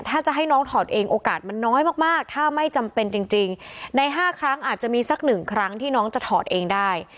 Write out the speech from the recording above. ถ้าจะให้น้องถอดเองโอกาสมันน้อยมากถ้าไม่จำเป็นจริงใน๕ครั้งอาจจะมีสักหนึ่งครั้งที่น้องจะถอดเองได้